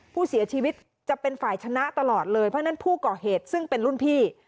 ผู้เสียชีวิตจะเป็นฝ่ายชนะตลอดเลยเพราะฉะนั้นผู้ก่อเหตุซึ่งเป็นรุ่นพี่